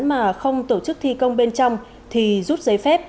mà không tổ chức thi công bên trong thì rút giấy phép